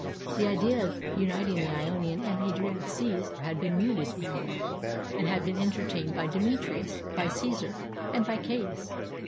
The idea of uniting the Ionian and Adriatic seas had been mooted before, and had been entertained by Demetrius, by Caesar, and by Caius.